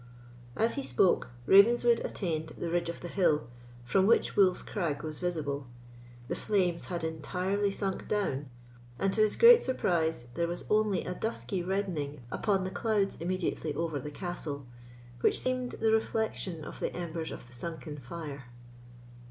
As he spoke, Ravenswood attained the ridge of the hill from which Wolf's Crag was visible; the flames had entirely sunk down, and, to his great surprise, there was only a dusky reddening upon the clouds immediately over the castle, which seemed the reflection of the embers of the sunken fire.